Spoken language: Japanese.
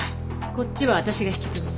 こっちは私が引き継ぐ。